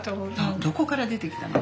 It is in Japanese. どこから出てきたの？